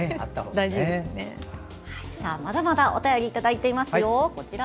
まだまだお便りいただいています。